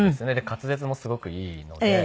滑舌もすごくいいので。